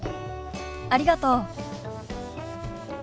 ありがとう。